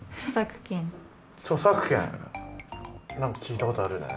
著作権何か聞いたことあるよね。